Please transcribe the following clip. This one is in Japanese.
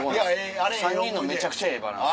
３人のめちゃくちゃええバランス。